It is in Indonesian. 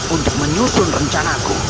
untuk menyusun rencanaku